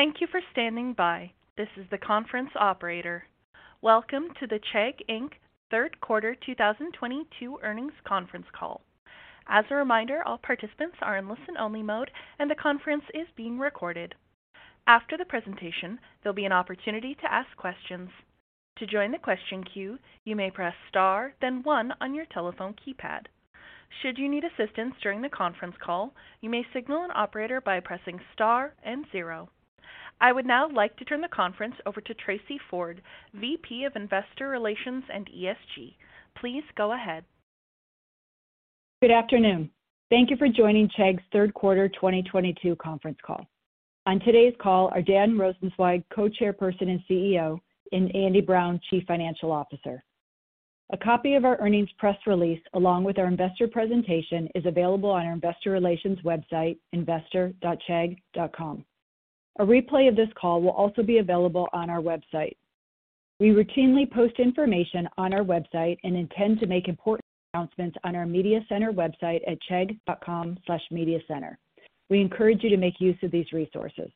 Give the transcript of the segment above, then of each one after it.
Thank you for standing by. This is the conference operator. Welcome to the Chegg Inc. third quarter 2022 earnings conference call. As a reminder, all participants are in listen-only mode, and the conference is being recorded. After the presentation, there'll be an opportunity to ask questions. To join the question queue, you may press star then one on your telephone keypad. Should you need assistance during the conference call, you may signal an operator by pressing star and zero. I would now like to turn the conference over to Tracey Ford, VP of Investor Relations and ESG. Please go ahead. Good afternoon. Thank you for joining Chegg's third quarter 2022 conference call. On today's call are Dan Rosensweig, Co-Chairperson and CEO, and Andy Brown, Chief Financial Officer. A copy of our earnings press release, along with our investor presentation, is available on our investor relations website, investor.chegg.com. A replay of this call will also be available on our website. We routinely post information on our website and intend to make important announcements on our media center website at chegg.com/mediacenter. We encourage you to make use of these resources.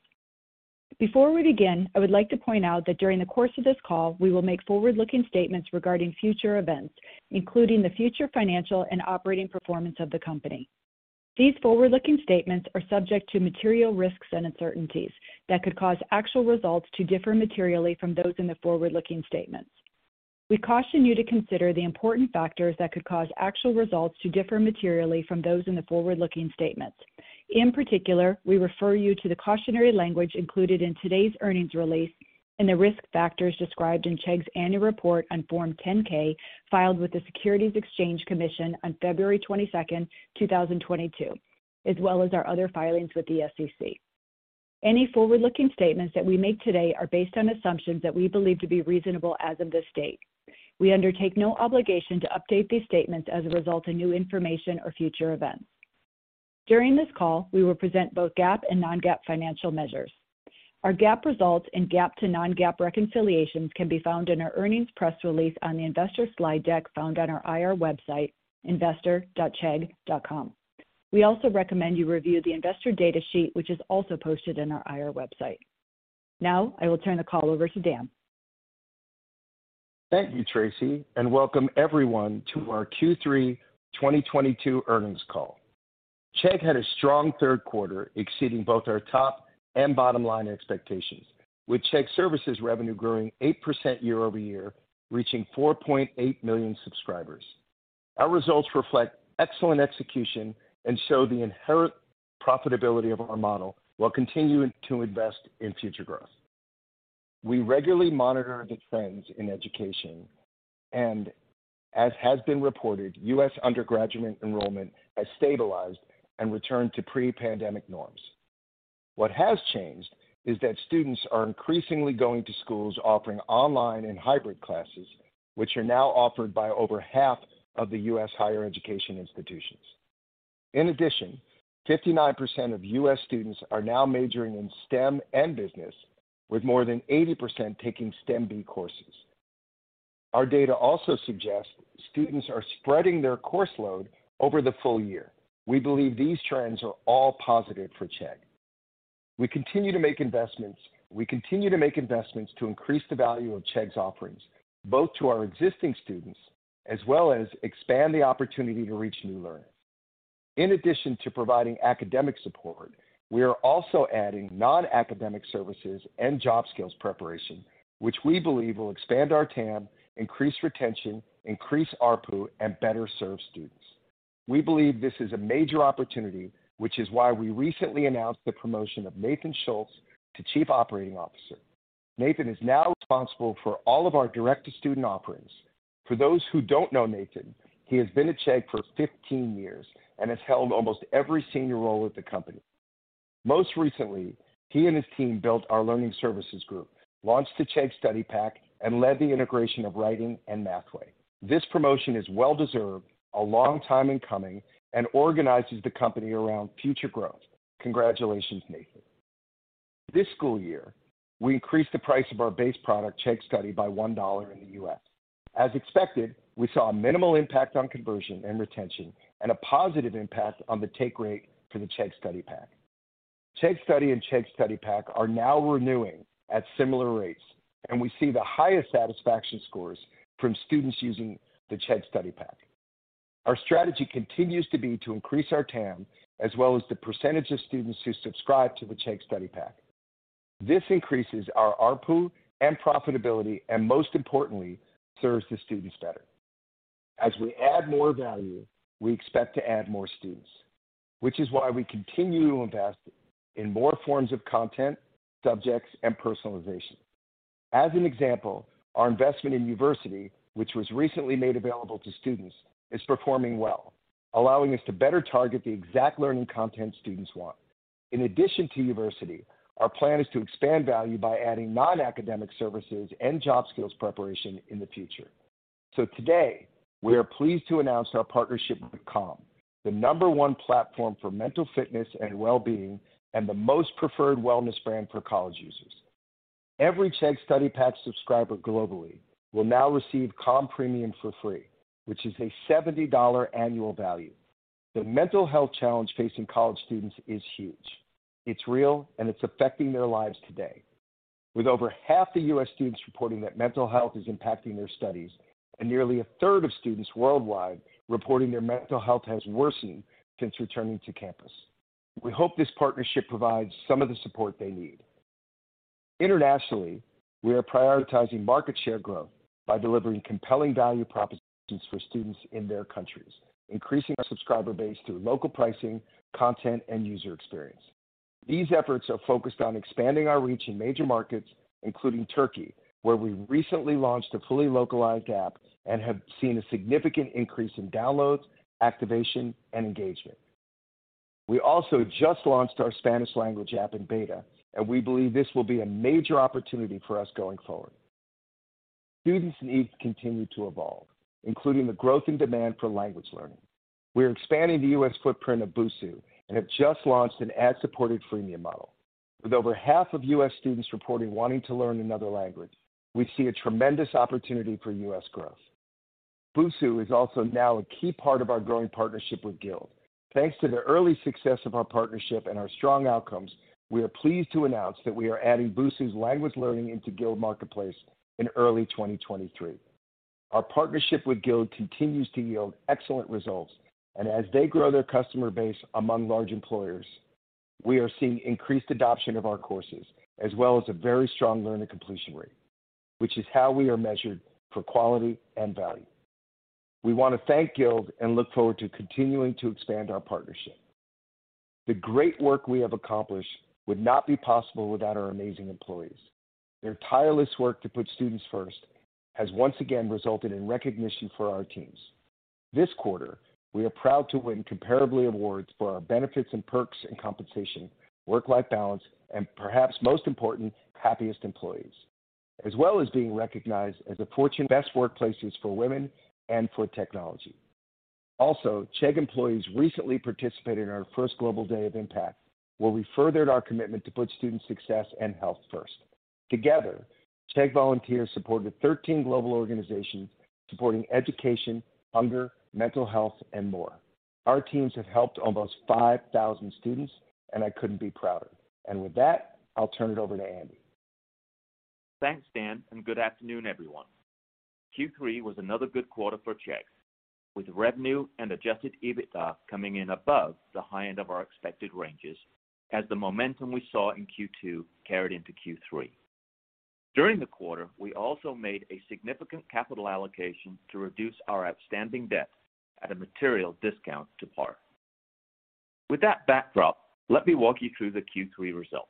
Before we begin, I would like to point out that during the course of this call, we will make forward-looking statements regarding future events, including the future financial and operating performance of the company. These forward-looking statements are subject to material risks and uncertainties that could cause actual results to differ materially from those in the forward-looking statements. We caution you to consider the important factors that could cause actual results to differ materially from those in the forward-looking statements. In particular, we refer you to the cautionary language included in today's earnings release and the risk factors described in Chegg's annual report on Form 10-K, filed with the Securities and Exchange Commission on February 22, 2022, as well as our other filings with the SEC. Any forward-looking statements that we make today are based on assumptions that we believe to be reasonable as of this date. We undertake no obligation to update these statements as a result of new information or future events. During this call, we will present both GAAP and non-GAAP financial measures. Our GAAP results and GAAP to non-GAAP reconciliations can be found in our earnings press release on the investor slide deck found on our IR website, investor.chegg.com. We also recommend you review the investor data sheet, which is also posted in our IR website. Now, I will turn the call over to Dan. Thank you, Tracey, and welcome everyone to our Q3 2022 earnings call. Chegg had a strong third quarter, exceeding both our top and bottom line expectations, with Chegg Services revenue growing 8% year-over-year, reaching 4.8 million subscribers. Our results reflect excellent execution and show the inherent profitability of our model while continuing to invest in future growth. We regularly monitor the trends in education. As has been reported, U.S. undergraduate enrollment has stabilized and returned to pre-pandemic norms. What has changed is that students are increasingly going to schools offering online and hybrid classes, which are now offered by over half of the U.S. higher education institutions. In addition, 59% of U.S. students are now majoring in STEM and business, with more than 80% taking STEMB courses. Our data also suggests students are spreading their course load over the full year. We believe these trends are all positive for Chegg. We continue to make investments to increase the value of Chegg's offerings, both to our existing students as well as expand the opportunity to reach new learners. In addition to providing academic support, we are also adding non-academic services and job skills preparation, which we believe will expand our TAM, increase retention, increase ARPU, and better serve students. We believe this is a major opportunity, which is why we recently announced the promotion of Nathan Schultz to Chief Operating Officer. Nathan is now responsible for all of our direct-to-student offerings. For those who don't know Nathan, he has been at Chegg for 15 years and has held almost every senior role at the company. Most recently, he and his team built our learning services group, launched the Chegg Study Pack, and led the integration of Writing and Mathway. This promotion is well-deserved, a long time in coming, and organizes the company around future growth. Congratulations, Nathan. This school year, we increased the price of our base product, Chegg Study, by $1 in the U.S. As expected, we saw a minimal impact on conversion and retention and a positive impact on the take rate for the Chegg Study Pack. Chegg Study and Chegg Study Pack are now renewing at similar rates, and we see the highest satisfaction scores from students using the Chegg Study Pack. Our strategy continues to be to increase our TAM as well as the percentage of students who subscribe to the Chegg Study Pack. This increases our ARPU and profitability and, most importantly, serves the students better. As we add more value, we expect to add more students, which is why we continue to invest in more forms of content, subjects, and personalization. As an example, our investment in Uversity, which was recently made available to students, is performing well, allowing us to better target the exact learning content students want. In addition to Uversity, our plan is to expand value by adding non-academic services and job skills preparation in the future. Today, we are pleased to announce our partnership with Calm, the number one platform for mental fitness and well-being and the most preferred wellness brand for college users. Every Chegg Study Pack subscriber globally will now receive Calm Premium for free, which is a $70 annual value. The mental health challenge facing college students is huge. It's real, and it's affecting their lives today. With over half the U.S. students reporting that mental health is impacting their studies, and nearly a third of students worldwide reporting their mental health has worsened since returning to campus. We hope this partnership provides some of the support they need. Internationally, we are prioritizing market share growth by delivering compelling value propositions for students in their countries, increasing our subscriber base through local pricing, content, and user experience. These efforts are focused on expanding our reach in major markets, including Turkey, where we recently launched a fully localized app and have seen a significant increase in downloads, activation, and engagement. We also just launched our Spanish-language app in beta, and we believe this will be a major opportunity for us going forward. Students' needs continue to evolve, including the growth in demand for language learning. We are expanding the U.S. footprint of Busuu and have just launched an ad-supported freemium model. With over half of U.S. students reporting wanting to learn another language, we see a tremendous opportunity for U.S. growth. Busuu is also now a key part of our growing partnership with Guild. Thanks to the early success of our partnership and our strong outcomes, we are pleased to announce that we are adding Busuu's language learning into Guild Marketplace in early 2023. Our partnership with Guild continues to yield excellent results, and as they grow their customer base among large employers, we are seeing increased adoption of our courses, as well as a very strong learner completion rate, which is how we are measured for quality and value. We want to thank Guild and look forward to continuing to expand our partnership. The great work we have accomplished would not be possible without our amazing employees. Their tireless work to put students first has once again resulted in recognition for our teams. This quarter, we are proud to win Comparably awards for our benefits and perks and compensation, work-life balance, and perhaps most important, happiest employees, as well as being recognized as a Fortune Best Workplaces for Women and for Technology. Also, Chegg employees recently participated in our first Global Day of Impact, where we furthered our commitment to put student success, and health first. Together, Chegg volunteers supported 13 global organizations supporting education, hunger, mental health, and more. Our teams have helped almost 5,000 students, and I couldn't be prouder. With that, I'll turn it over to Andy. Thanks, Dan, and good afternoon, everyone. Q3 was another good quarter for Chegg, with revenue and adjusted EBITDA coming in above the high end of our expected ranges as the momentum we saw in Q2 carried into Q3. During the quarter, we also made a significant capital allocation to reduce our outstanding debt at a material discount to par. With that backdrop, let me walk you through the Q3 results.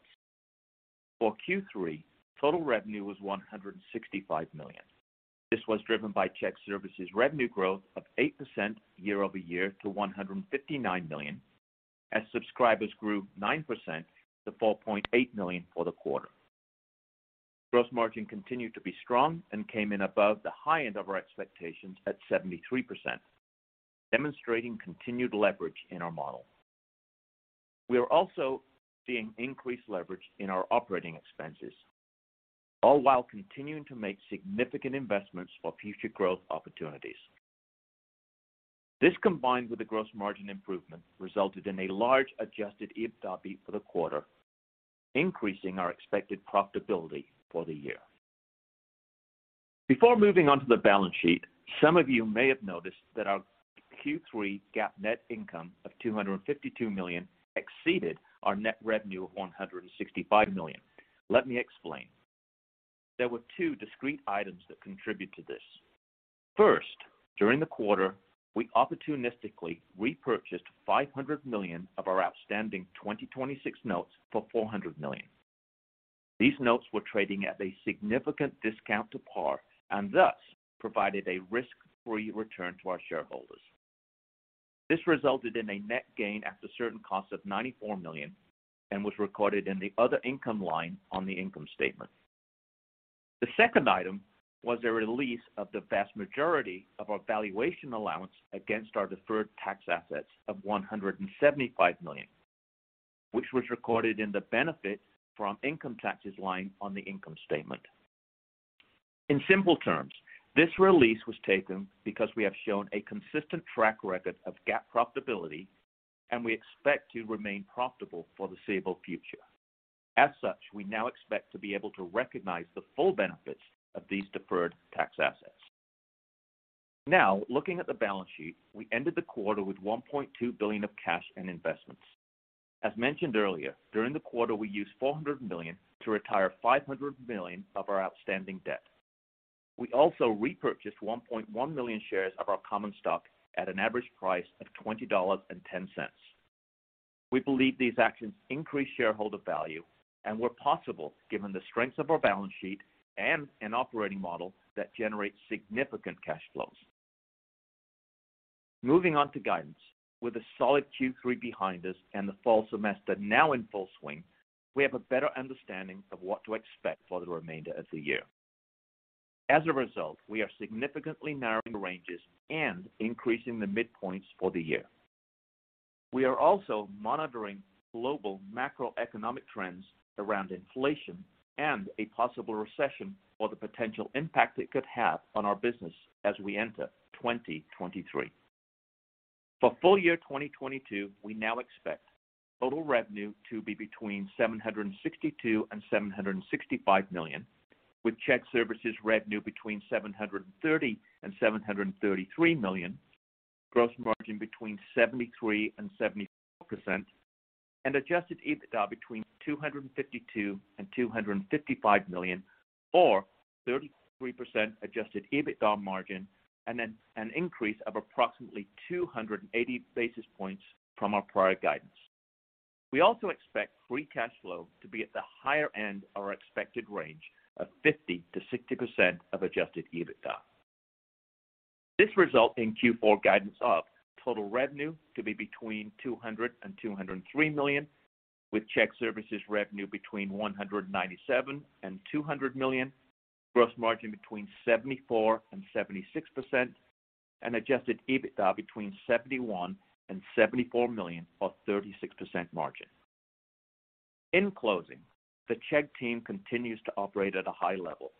For Q3, total revenue was $165 million. This was driven by Chegg Services' revenue growth of 8% year-over-year to $159 million, as subscribers grew 9% to 4.8 million for the quarter. Gross margin continued to be strong and came in above the high end of our expectations at 73%, demonstrating continued leverage in our model. We are also seeing increased leverage in our operating expenses, all while continuing to make significant investments for future growth opportunities. This, combined with the gross margin improvement, resulted in a large adjusted EBITDA beat for the quarter, increasing our expected profitability for the year. Before moving on to the balance sheet, some of you may have noticed that our Q3 GAAP net income of $252 million exceeded our net revenue of $165 million. Let me explain. There were two discrete items that contribute to this. First, during the quarter, we opportunistically repurchased $500 million of our outstanding 2026 notes for $400 million. These notes were trading at a significant discount to par and thus provided a risk-free return to our shareholders. This resulted in a net gain after certain costs of $94 million and was recorded in the other income line on the income statement. The second item was the release of the vast majority of our valuation allowance against our deferred tax assets of $175 million, which was recorded in the benefit from income taxes line on the income statement. In simple terms, this release was taken because we have shown a consistent track record of GAAP profitability, and we expect to remain profitable for the foreseeable future. As such, we now expect to be able to recognize the full benefits of these deferred tax assets. Now, looking at the balance sheet, we ended the quarter with $1.2 billion of cash and investments. As mentioned earlier, during the quarter, we used $400 million to retire $500 million of our outstanding debt. We also repurchased 1.1 million shares of our common stock at an average price of $20.10. We believe these actions increase shareholder value and were possible given the strength of our balance sheet and an operating model that generates significant cash flows. Moving on to guidance. With a solid Q3 behind us and the fall semester now in full swing, we have a better understanding of what to expect for the remainder of the year. As a result, we are significantly narrowing the ranges and increasing the midpoints for the year. We are also monitoring global macroeconomic trends around inflation and a possible recession, or the potential impact it could have on our business as we enter 2023. For full year 2022, we now expect total revenue to be between $762 million and $765 million, with Chegg Services revenue between $730 million and $733 million, gross margin between 73% and 74%, and adjusted EBITDA between $252 million and $255 million, or 33% adjusted EBITDA margin and an increase of approximately 280 basis points from our prior guidance. We also expect free cash flow to be at the higher end of our expected range of 50%-60% of adjusted EBITDA. This results in Q4 guidance of total revenue to be between $200 million and $203 million, with Chegg Services revenue between $197 million and $200 million, gross margin between 74% and 76%, and Adjusted EBITDA between $71 million and $74 million or 36% margin. In closing, the Chegg team continues to operate at a high level,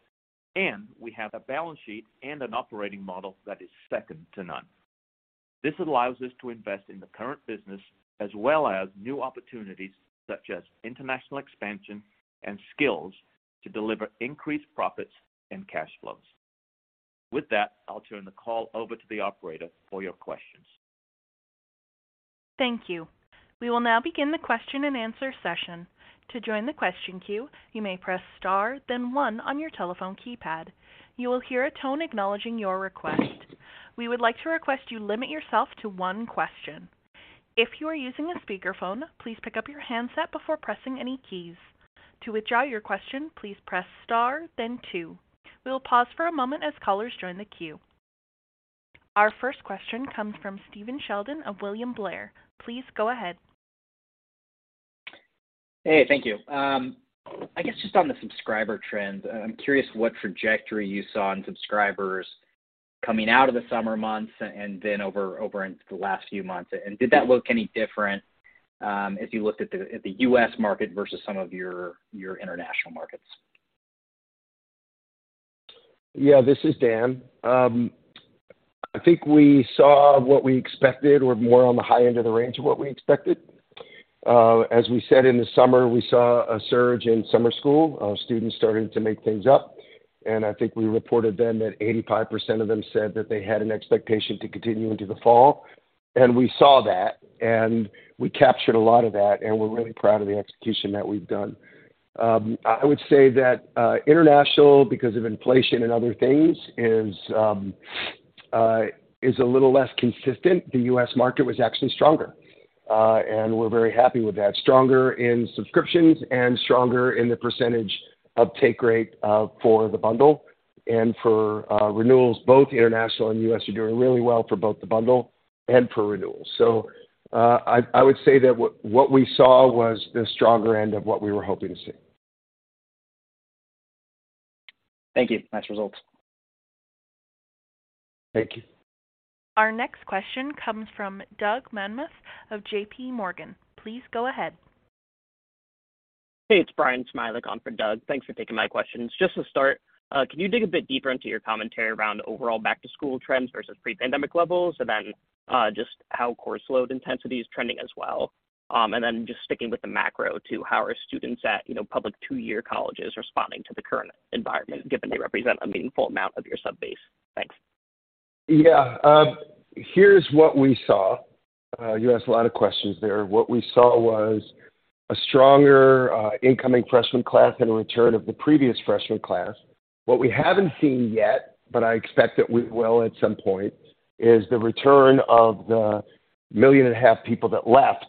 and we have a balance sheet and an operating model that is second to none. This allows us to invest in the current business as well as new opportunities such as international expansion and skills to deliver increased profits and cash flows. With that, I'll turn the call over to the operator for your questions. Thank you. We will now begin the question-and-answer session. To join the question queue, you may press star, then one on your telephone keypad. You will hear a tone acknowledging your request. We would like to request you limit yourself to one question. If you are using a speakerphone, please pick up your handset before pressing any keys. To withdraw your question, please press star then two. We will pause for a moment as callers join the queue. Our first question comes from Stephen Sheldon of William Blair. Please go ahead. Hey. Thank you. I guess just on the subscriber trends, I'm curious what trajectory you saw in subscribers coming out of the summer months and then over in the last few months. Did that look any different, as you looked at the U.S. market versus some of your international markets? Yeah, this is Dan. I think we saw what we expected or more on the high end of the range of what we expected. As we said in the summer, we saw a surge in summer school. Students started to make things up, and I think we reported then that 85% of them said that they had an expectation to continue into the fall. We saw that, and we captured a lot of that, and we're really proud of the execution that we've done. I would say that international, because of inflation and other things, is a little less consistent. The U.S. market was actually stronger, and we're very happy with that. Stronger in subscriptions and stronger in the percentage uptake rate for the bundle and for renewals. Both international and U.S. are doing really well for both the bundle and for renewals. I would say that what we saw was the stronger end of what we were hoping to see. Thank you. Nice results. Thank you. Our next question comes from Doug Anmuth of JPMorgan. Please go ahead. Hey, it's Bryan Smilek on for Doug. Thanks for taking my questions. Just to start, can you dig a bit deeper into your commentary around overall back-to-school trends versus pre-pandemic levels? Just how course load intensity is trending as well? Just sticking with the macro too, how are students at, you know, public two-year colleges responding to the current environment, given they represent a meaningful amount of your sub base? Thanks. Yeah. Here's what we saw. You asked a lot of questions there. What we saw was a stronger incoming freshman class and a return of the previous freshman class. What we haven't seen yet, but I expect that we will at some point, is the return of the 1.5 million people that left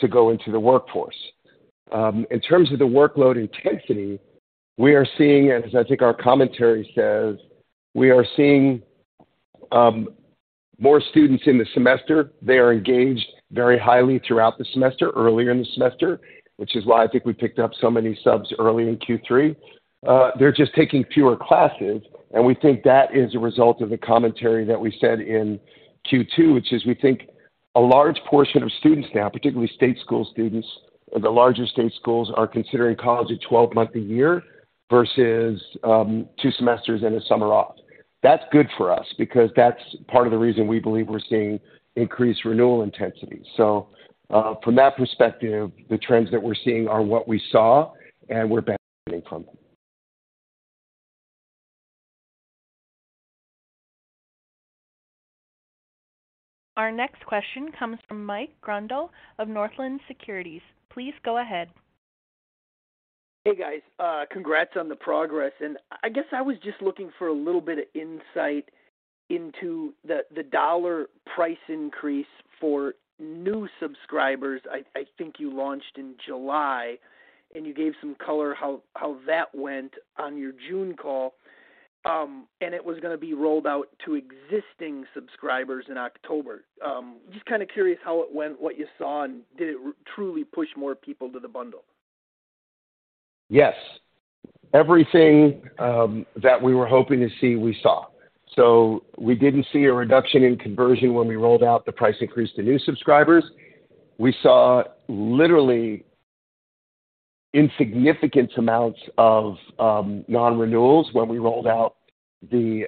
to go into the workforce. In terms of the workload intensity, we are seeing, as I think our commentary says, more students in the semester. They are engaged very highly throughout the semester, earlier in the semester, which is why I think we picked up so many subs early in Q3. They're just taking fewer classes, and we think that is a result of the commentary that we said in Q2, which is we think a large portion of students now, particularly state school students or the larger state schools, are considering college a twelve-month a year versus two semesters and a summer off. That's good for us because that's part of the reason we believe we're seeing increased renewal intensity. From that perspective, the trends that we're seeing are what we saw and we're benefiting from. Our next question comes from Mike Grondahl of Northland Securities. Please go ahead. Hey, guys. Congrats on the progress. I guess I was just looking for a little bit of insight into the dollar price increase for new subscribers. I think you launched in July, and you gave some color how that went on your June call. It was gonna be rolled out to existing subscribers in October. Just kinda curious how it went, what you saw, and did it truly push more people to the bundle? Yes. Everything that we were hoping to see, we saw. We didn't see a reduction in conversion when we rolled out the price increase to new subscribers. We saw literally insignificant amounts of non-renewals when we rolled out the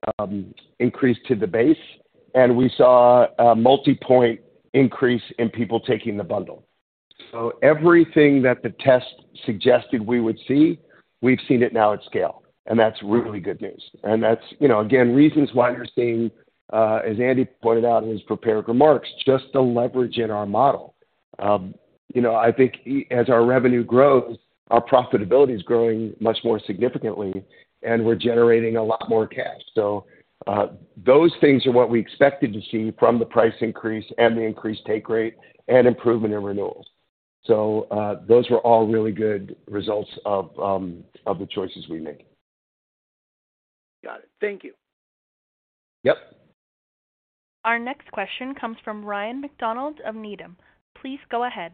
increase to the base, and we saw a multipoint increase in people taking the bundle. Everything that the test suggested we would see, we've seen it now at scale, and that's really good news. That's, you know, again, reasons why you're seeing, as Andy pointed out in his prepared remarks, just the leverage in our model. You know, I think as our revenue grows, our profitability is growing much more significantly, and we're generating a lot more cash. Those things are what we expected to see from the price increase, and the increased take rate, and improvement in renewals. Those were all really good results of the choices we made. Got it. Thank you. Yep. Our next question comes from Ryan MacDonald of Needham. Please go ahead.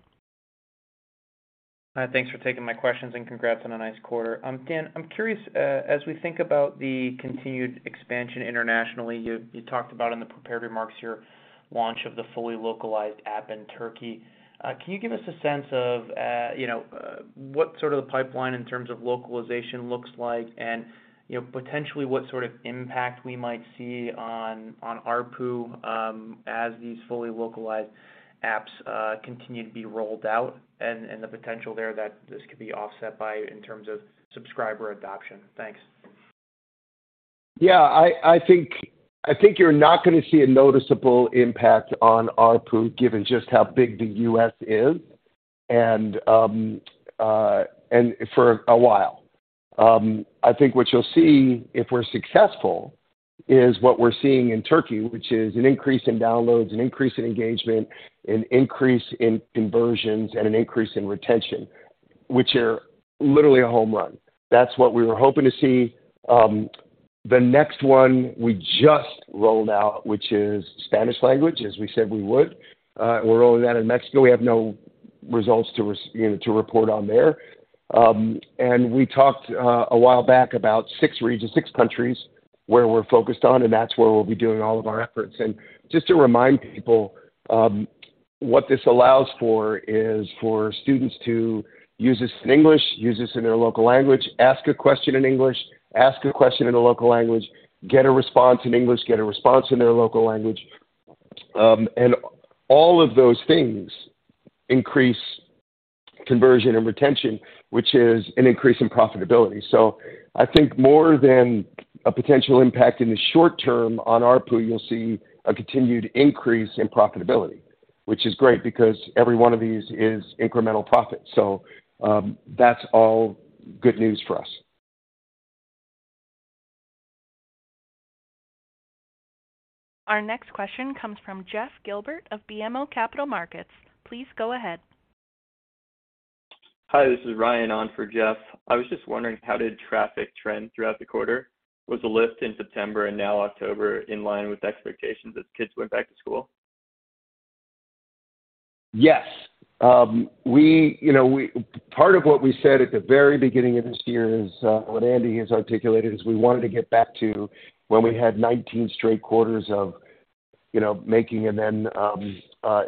Hi, thanks for taking my questions, and congrats on a nice quarter. Dan, I'm curious, as we think about the continued expansion internationally, you talked about in the prepared remarks your launch of the fully localized app in Turkey. Can you give us a sense of, you know, what sort of the pipeline in terms of localization looks like? You know, potentially what sort of impact we might see on ARPU, as these fully localized apps continue to be rolled out, and the potential there that this could be offset by in terms of subscriber adoption. Thanks. Yeah, I think you're not gonna see a noticeable impact on ARPU given just how big the U.S. is and for a while. I think what you'll see if we're successful is what we're seeing in Turkey, which is an increase in downloads, an increase in engagement, an increase in conversions, and an increase in retention, which are literally a home run. That's what we were hoping to see. The next one we just rolled out, which is Spanish language, as we said we would. We're rolling that in Mexico. We have no results, you know, to report on there. We talked a while back about six regions, six countries where we're focused on, and that's where we'll be doing all of our efforts. Just to remind people, what this allows for is for students to use this in English, use this in their local language, ask a question in English, ask a question in a local language, get a response in English, get a response in their local language. All of those things increase conversion and retention, which is an increase in profitability. I think more than a potential impact in the short term on ARPU, you'll see a continued increase in profitability, which is great because every one of these is incremental profit. That's all good news for us. Our next question comes from Jeff Silber of BMO Capital Markets. Please go ahead. Hi, this is Ryan on for Jeff. I was just wondering, how did traffic trend throughout the quarter? Was the lift in September and now October in line with expectations as kids went back to school? Yes. You know, part of what we said at the very beginning of this year is what Andy has articulated, is we wanted to get back to when we had 19 straight quarters of, you know, making and then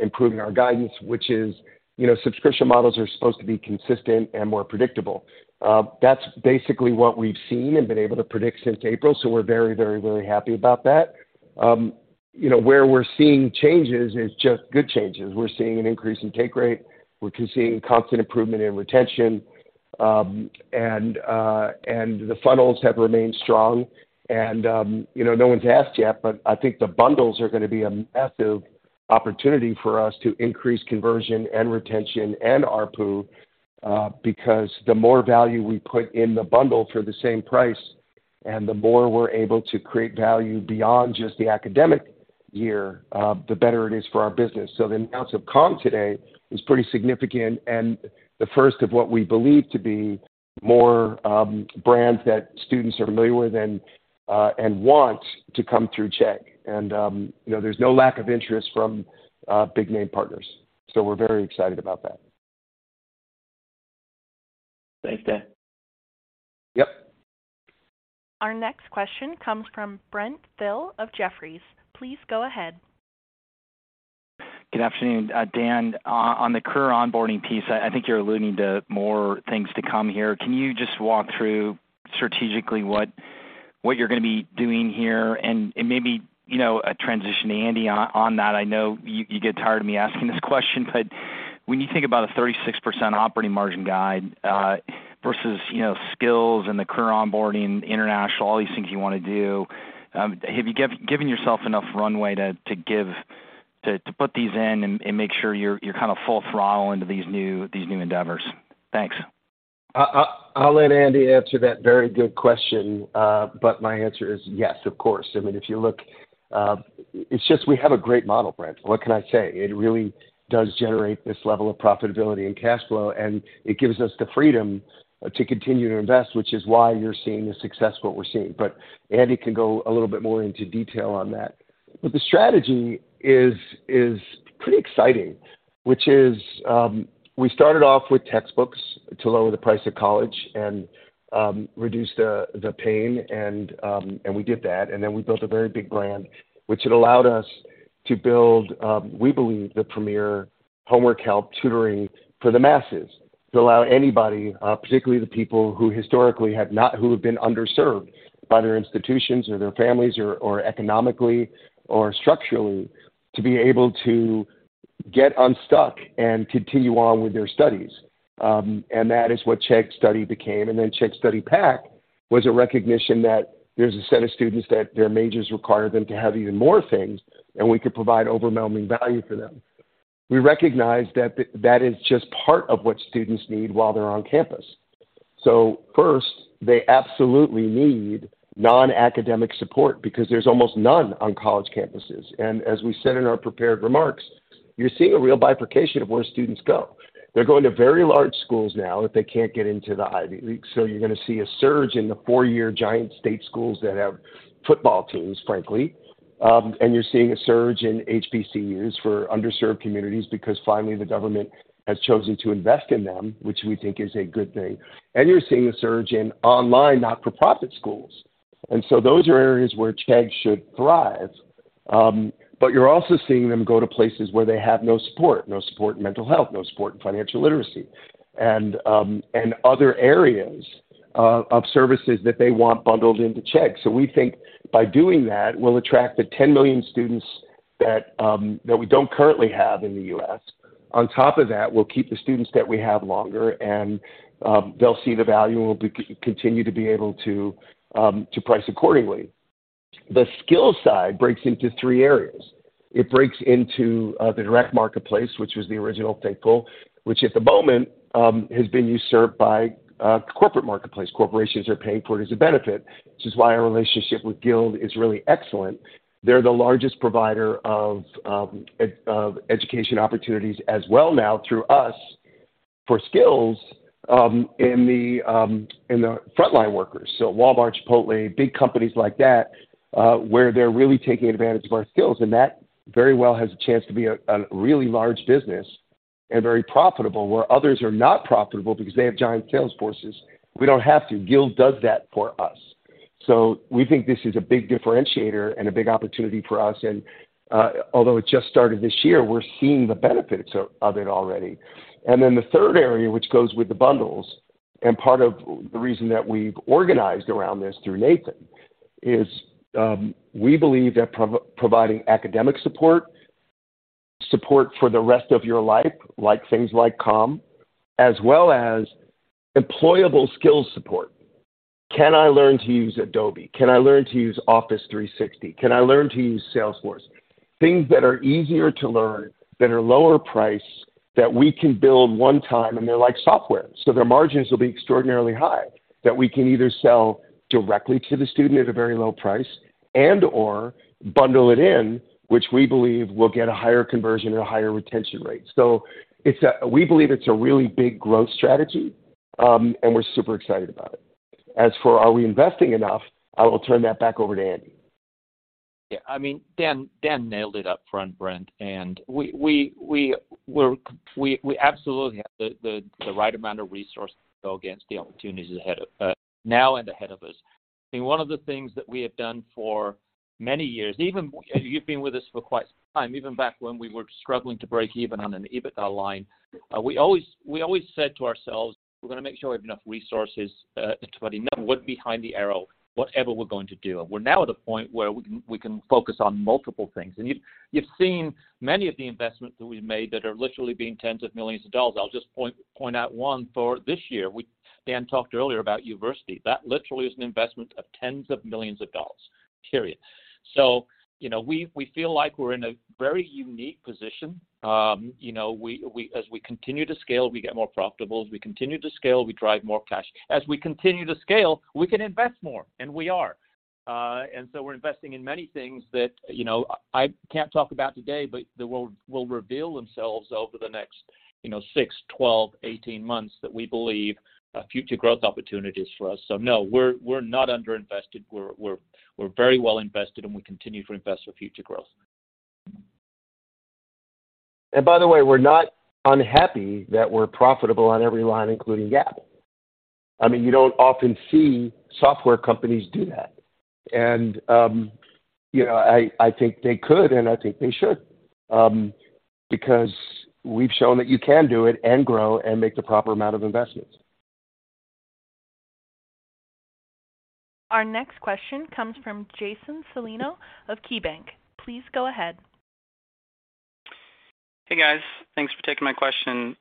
improving our guidance, which is, you know, subscription models are supposed to be consistent and more predictable. That's basically what we've seen and been able to predict since April. We're very, very, very happy about that. You know, where we're seeing changes is just good changes. We're seeing an increase in take rate. We're seeing constant improvement in retention. The funnels have remained strong. You know, no one's asked yet, but I think the bundles are gonna be a massive opportunity for us to increase conversion and retention and ARPU, because the more value we put in the bundle for the same price and the more we're able to create value beyond just the academic year, the better it is for our business. The amounts of content today is pretty significant and the first of what we believe to be more brands that students are familiar with and want to come through Chegg. You know, there's no lack of interest from big-name partners. We're very excited about that. Thanks, Dan. Yep. Our next question comes from Brent Thill of Jefferies. Please go ahead. Good afternoon. Dan, on the career onboarding piece, I think you're alluding to more things to come here. Can you just walk through strategically what you're gonna be doing here? Maybe, you know, a transition to Andy on that. I know you get tired of me asking this question, but when you think about a 36% operating margin guide, versus, you know, skills and the career onboarding, international, all these things you wanna do, have you given yourself enough runway to put these in and make sure you're kinda full throttle into these new endeavors? Thanks. I'll let Andy answer that very good question. My answer is yes, of course. I mean, if you look, it's just we have a great model, Brent. What can I say? It really does generate this level of profitability and cash flow, and it gives us the freedom to continue to invest, which is why you're seeing the success that we're seeing. Andy can go a little bit more into detail on that. The strategy is pretty exciting, which is, we started off with textbooks to lower the price of college and reduce the pain and we did that. We built a very big brand, which it allowed us to build, we believe, the premier homework help tutoring for the masses to allow anybody, particularly the people who have been underserved by their institutions or their families or economically or structurally, to be able to get unstuck and continue on with their studies. That is what Chegg Study became. Chegg Study Pack was a recognition that there's a set of students that their majors require them to have even more things, and we could provide overwhelming value for them. We recognize that is just part of what students need while they're on campus. First, they absolutely need non-academic support because there's almost none on college campuses. As we said in our prepared remarks, you're seeing a real bifurcation of where students go. They're going to very large schools now if they can't get into the Ivy League. You're gonna see a surge in the four-year giant state schools that have football teams, frankly. You're seeing a surge in HBCUs for underserved communities because finally the government has chosen to invest in them, which we think is a good thing. You're seeing a surge in online, not-for-profit schools. Those are areas where Chegg should thrive. But you're also seeing them go to places where they have no support in mental health, no support in financial literacy, and other areas of services that they want bundled into Chegg. We think by doing that, we'll attract the 10 million students that we don't currently have in the U.S. On top of that, we'll keep the students that we have longer, and they'll see the value, and we'll continue to be able to price accordingly. The skill side breaks into three areas. It breaks into the direct marketplace, which was the original Thinkful, which at the moment has been usurped by a corporate marketplace. Corporations are paying for it as a benefit, which is why our relationship with Guild is really excellent. They're the largest provider of education opportunities as well, now through us, for skills in the frontline workers. Walmart, Chipotle, big companies like that, where they're really taking advantage of our skills. That very well has a chance to be a really large business and very profitable, where others are not profitable because they have giant sales forces. We don't have to. Guild does that for us. We think this is a big differentiator and a big opportunity for us. Although it just started this year, we're seeing the benefits of it already. Then the third area, which goes with the bundles, and part of the reason that we've organized around this through Nathan, is we believe that providing academic support for the rest of your life, like things like Calm, as well as employable skills support. Can I learn to use Adobe? Can I learn to use Office 365? Can I learn to use Salesforce? Things that are easier to learn, that are lower price, that we can build one time, and they're like software. Their margins will be extraordinarily high, that we can either sell directly to the student at a very low price and/or bundle it in, which we believe will get a higher conversion or a higher retention rate. We believe it's a really big growth strategy, and we're super excited about it. As for are we investing enough, I will turn that back over to Andy. Yeah. I mean, Dan nailed it up front, Brent. We absolutely have the right amount of resources to go against the opportunities ahead of now and ahead of us. I think one of the things that we have done for many years, even you've been with us for quite some time, even back when we were struggling to break even on an EBITDA line, we always said to ourselves, "We're gonna make sure we have enough resources to put enough wood behind the arrow, whatever we're going to do." We're now at a point where we can focus on multiple things. You've seen many of the investments that we've made that are literally tens of millions of dollars. I'll just point out one for this year. Dan talked earlier about Uversity. That literally is an investment of tens of millions of dollars, period. You know, we feel like we're in a very unique position. You know, as we continue to scale, we get more profitable. As we continue to scale, we drive more cash. As we continue to scale, we can invest more, and we are. We're investing in many things that, you know, I can't talk about today, but they will reveal themselves over the next, you know, 6, 12, 18 months that we believe are future growth opportunities for us. No, we're not underinvested. We're very well invested, and we continue to invest for future growth. By the way, we're not unhappy that we're profitable on every line, including GAAP. I mean, you don't often see software companies do that. You know, I think they could, and I think they should, because we've shown that you can do it and grow and make the proper amount of investments. Our next question comes from Jason Celino of KeyBank. Please go ahead. Hey, guys. Thanks for taking my question.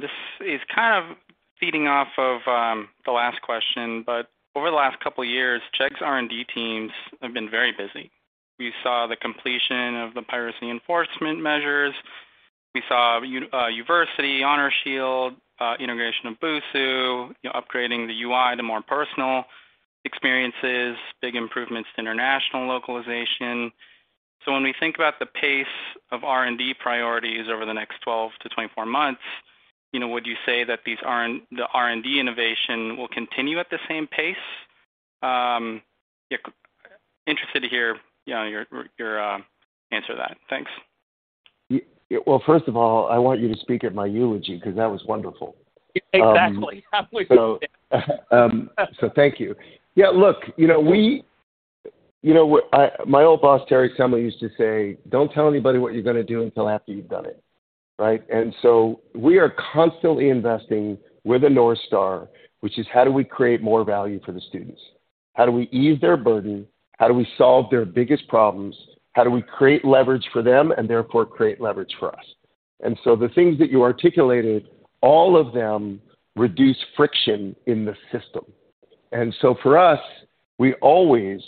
This is kind of feeding off of, the last question. Over the last couple of years, Chegg's R&D teams have been very busy. We saw the completion of the piracy enforcement measures. We saw Uversity, Honor Shield, integration of Busuu, upgrading the UI to more personal experiences, big improvements to international localization. When we think about the pace of R&D priorities over the next 12-24 months. You know, would you say that these R&D innovation will continue at the same pace? Yeah, interested to hear, you know, your answer to that. Thanks. Well, first of all, I want you to speak at my eulogy 'cause that was wonderful. Exactly. Thank you. Yeah, look, you know, my old boss, Terry Semel, used to say, "Don't tell anybody what you're gonna do until after you've done it." Right. We are constantly investing with a North Star, which is how do we create more value for the students? How do we ease their burden? How do we solve their biggest problems? How do we create leverage for them and therefore create leverage for us? The things that you articulated, all of them reduce friction in the system. For us, we always.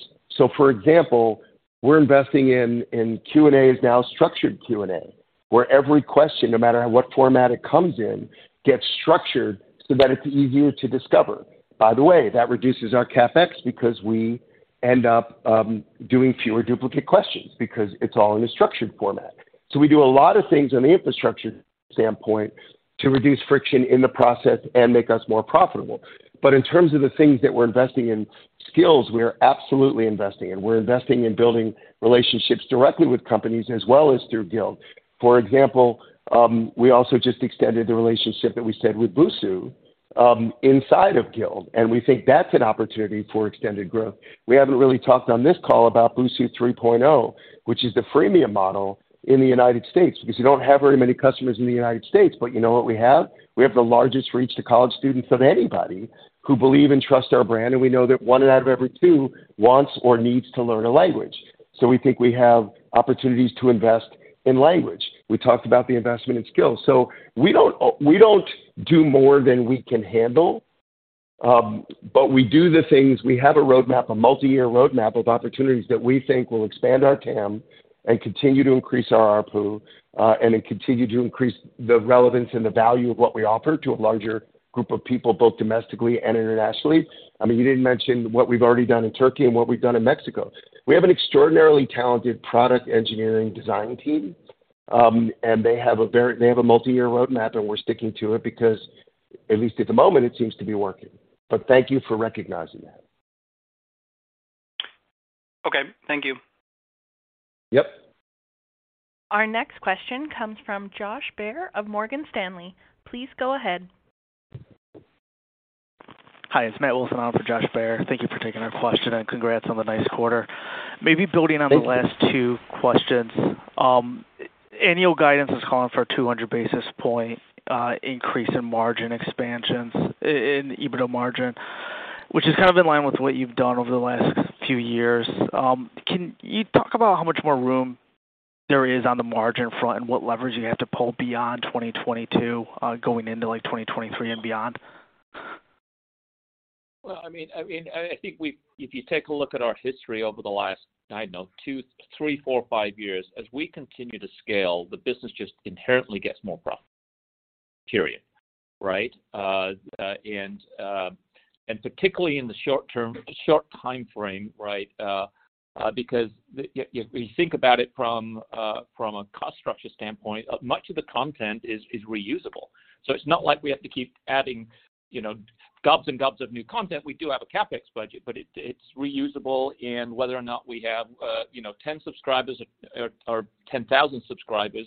For example, we're investing in Q&A, which is now structured Q&A, where every question, no matter what format it comes in, gets structured so that it's easier to discover. By the way, that reduces our CapEx because we end up doing fewer duplicate questions because it's all in a structured format. We do a lot of things on the infrastructure standpoint to reduce friction in the process and make us more profitable. In terms of the things that we're investing in, skills, we are absolutely investing in. We're investing in building relationships directly with companies as well as through Guild. For example, we also just extended the relationship that we said with Busuu inside of Guild, and we think that's an opportunity for extended growth. We haven't really talked on this call about Busuu 3.0, which is the freemium model in the United States. Because you don't have very many customers in the United States, but you know what we have? We have the largest reach to college students of anybody who believe and trust our brand, and we know that one out of every two wants or needs to learn a language. We think we have opportunities to invest in language. We talked about the investment in skills. We don't do more than we can handle, but we do the things. We have a roadmap, a multi-year roadmap of opportunities that we think will expand our TAM and continue to increase our ARPU, and then continue to increase the relevance and the value of what we offer to a larger group of people, both domestically and internationally. I mean, you didn't mention what we've already done in Turkey and what we've done in Mexico. We have an extraordinarily talented product engineering design team, and they have a multi-year roadmap, and we're sticking to it because, at least at the moment, it seems to be working. But thank you for recognizing that. Okay. Thank you. Yep. Our next question comes from Josh Baer of Morgan Stanley. Please go ahead. Hi, it's Matt Wilson on for Josh Baer. Thank you for taking our question, and congrats on the nice quarter. Thank you. Maybe building on the last two questions. Annual guidance is calling for 200 basis point increase in margin expansions in EBITDA margin, which is kind of in line with what you've done over the last few years. Can you talk about how much more room there is on the margin front and what leverage you have to pull beyond 2022, going into, like, 2023 and beyond? I mean, I think if you take a look at our history over the last, I don't know, 2, 3, 4, 5 years, as we continue to scale, the business just inherently gets more profitable, period. Right? And particularly in the short term, short timeframe, right? Because if you think about it from a cost structure standpoint, much of the content is reusable. It's not like we have to keep adding, you know, gobs and gobs of new content. We do have a CapEx budget, but it's reusable, whether or not we have, you know, 10 subscribers or 10,000 subscribers,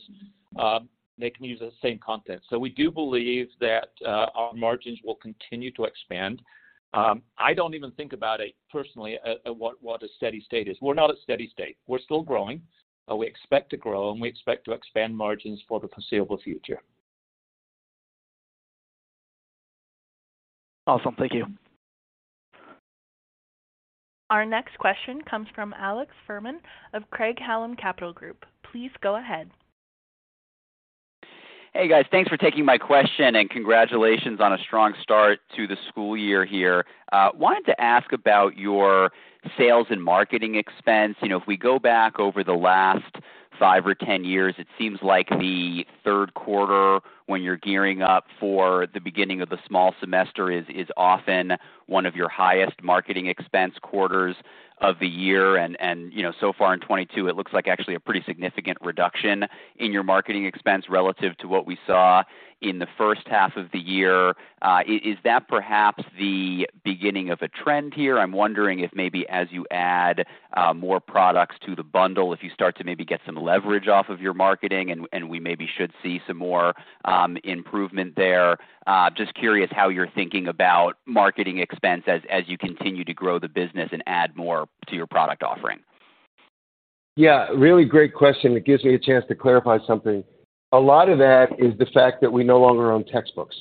they can use the same content. We do believe that our margins will continue to expand. I don't even think about it personally, at what a steady state is. We're not at steady state. We're still growing, and we expect to grow, and we expect to expand margins for the foreseeable future. Awesome. Thank you. Our next question comes from Alex Fuhrman of Craig-Hallum Capital Group. Please go ahead. Hey, guys. Thanks for taking my question, and congratulations on a strong start to the school year here. Wanted to ask about your sales and marketing expense. You know, if we go back over the last 5 or 10 years, it seems like the third quarter, when you're gearing up for the beginning of the fall semester, is often one of your highest marketing expense quarters of the year. You know, so far in 2022 it looks like actually a pretty significant reduction in your marketing expense relative to what we saw in the first half of the year. Is that perhaps the beginning of a trend here? I'm wondering if maybe as you add more products to the bundle, if you start to maybe get some leverage off of your marketing and we maybe should see some more improvement there. Just curious how you're thinking about marketing expense as you continue to grow the business and add more to your product offering. Yeah, really great question. It gives me a chance to clarify something. A lot of that is the fact that we no longer own textbooks.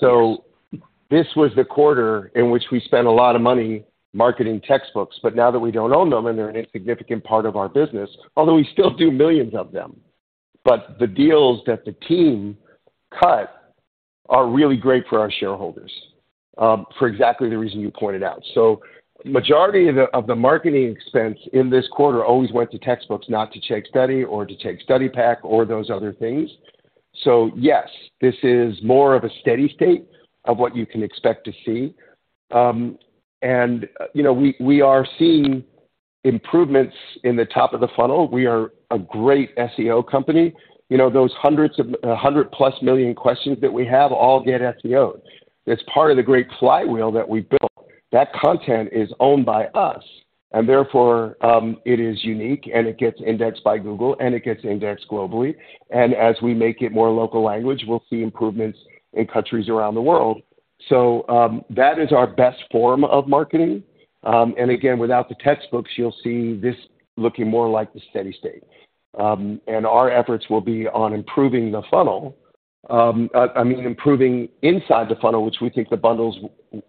This was the quarter in which we spent a lot of money marketing textbooks, but now that we don't own them and they're an insignificant part of our business, although we still do millions of them. The deals that the team cut are really great for our shareholders, for exactly the reason you pointed out. Majority of the marketing expense in this quarter always went to textbooks, not to Chegg Study or to Chegg Study Pack or those other things. Yes, this is more of a steady state of what you can expect to see. You know, we are seeing improvements in the top of the funnel. We are a great SEO company. You know, those 100+ million questions that we have all get SEO'd. It's part of the great flywheel that we built. That content is owned by us, and therefore, it is unique, and it gets indexed by Google, and it gets indexed globally. As we make it more local language, we'll see improvements in countries around the world. That is our best form of marketing. Again, without the textbooks, you'll see this looking more like the steady-state. Our efforts will be on improving the funnel, I mean, improving inside the funnel, which we think the bundles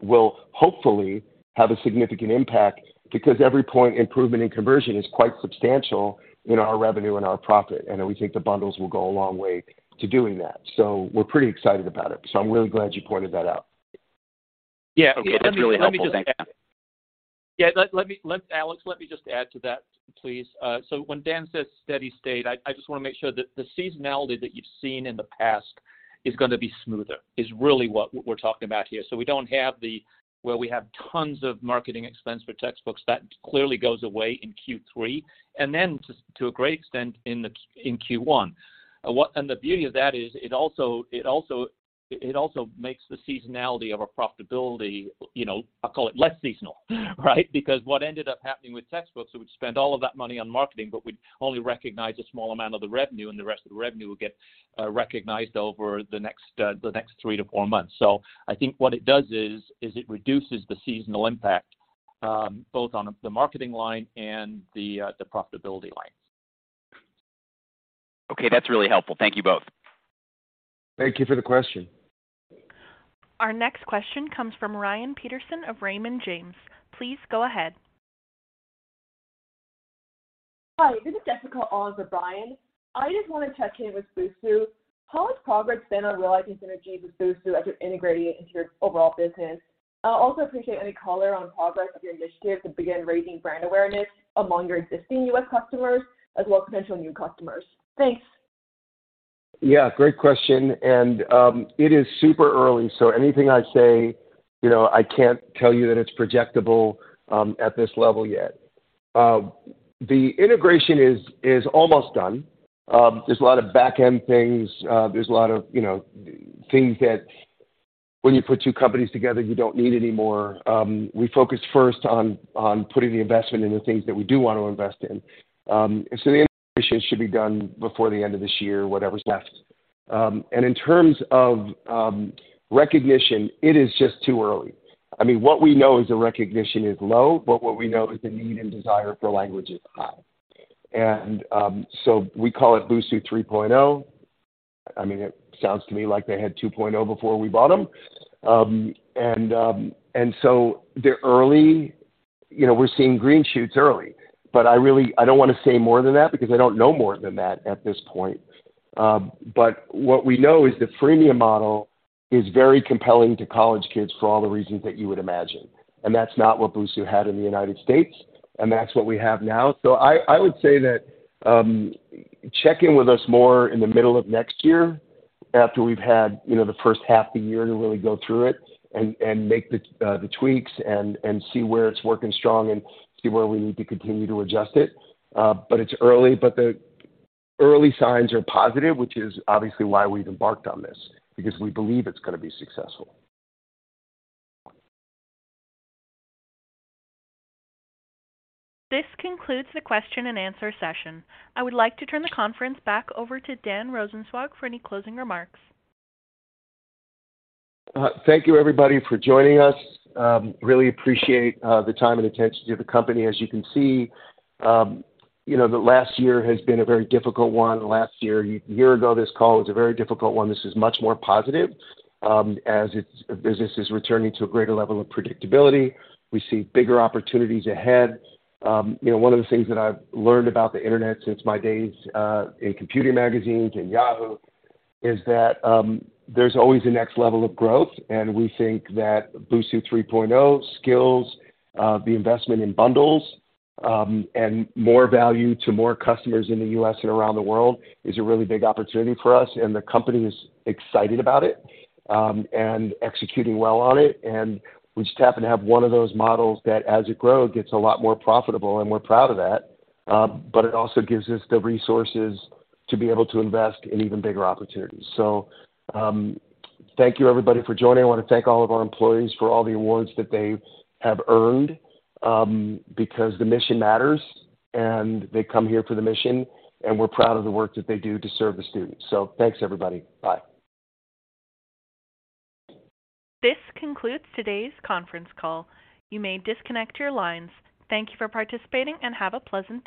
will hopefully have a significant impact because every point improvement in conversion is quite substantial in our revenue and our profit. We think the bundles will go a long way to doing that. We're pretty excited about it. I'm really glad you pointed that out. Yeah. Okay. That's really helpful. Thank you. Yeah, Alex, let me just add to that, please. When Dan says steady state, I just wanna make sure that the seasonality that you've seen in the past is gonna be smoother, is really what we're talking about here. We don't have where we have tons of marketing expense for textbooks, that clearly goes away in Q3, and then to a great extent in Q1. The beauty of that is it also makes the seasonality of our profitability, you know, I call it less seasonal, right? Because what ended up happening with textbooks, we would spend all of that money on marketing, but we'd only recognize a small amount of the revenue, and the rest of the revenue would get recognized over the next three to four months. I think what it does is it reduces the seasonal impact, both on the marketing line and the profitability lines. Okay, that's really helpful. Thank you both. Thank you for the question. Our next question comes from Brian Peterson of Raymond James. Please go ahead. Hi, this is Jessica on for Brian. I just wanna touch base with Busuu. How has progress been on realizing synergies with Busuu as you're integrating it into your overall business? I also appreciate any color on progress of your initiative to begin raising brand awareness among your existing U.S. customers as well as potential new customers. Thanks. Yeah, great question. It is super early, so anything I say, you know, I can't tell you that it's projectable at this level yet. The integration is almost done. There's a lot of back-end things. There's a lot of, you know, things that when you put two companies together, you don't need anymore. We focus first on putting the investment into things that we do wanna invest in. The integration should be done before the end of this year, whatever's left. In terms of recognition, it is just too early. I mean, what we know is the recognition is low, but what we know is the need and desire for language is high. We call it Busuu 3.0. I mean, it sounds to me like they had 2.0 before we bought them. They're early. You know, we're seeing green shoots early. But I really I don't wanna say more than that because I don't know more than that at this point. What we know is the freemium model is very compelling to college kids for all the reasons that you would imagine, and that's not what Busuu had in the United States, and that's what we have now. I would say that, check in with us more in the middle of next year after we've had, you know, the first half of the year to really go through it and make the tweaks and see where it's working strong and see where we need to continue to adjust it. It's early, but the early signs are positive, which is obviously why we've embarked on this, because we believe it's gonna be successful. This concludes the question-and-answer session. I would like to turn the conference back over to Dan Rosensweig for any closing remarks. Thank you, everybody, for joining us. Really appreciate the time and attention to the company. As you can see, you know, the last year has been a very difficult one. A year ago, this call was a very difficult one. This is much more positive, as its business is returning to a greater level of predictability. We see bigger opportunities ahead. You know, one of the things that I've learned about the Internet since my days in computer magazines and Yahoo is that there's always a next level of growth, and we think that Busuu 3.0, Skills, the investment in bundles, and more value to more customers in the U.S. and around the world is a really big opportunity for us, and the company is excited about it and executing well on it. We just happen to have one of those models that as it grows, gets a lot more profitable, and we're proud of that. It also gives us the resources to be able to invest in even bigger opportunities. Thank you, everybody, for joining. I wanna thank all of our employees for all the awards that they have earned, because the mission matters, and they come here for the mission, and we're proud of the work that they do to serve the students. Thanks, everybody. Bye. This concludes today's conference call. You may disconnect your lines. Thank you for participating, and have a pleasant day.